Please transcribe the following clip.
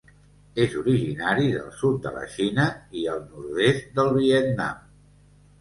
És originari del sud de la Xina i el nord-est del Vietnam.